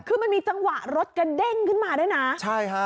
คือมันมีจังหวะรถกระเด้งขึ้นมาด้วยนะใช่ฮะ